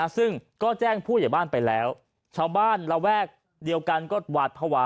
ซึ่งก็แจ้งผู้ใหญ่บ้านไปแล้วชาวบ้านระแวกเดียวกันก็หวาดภาวะ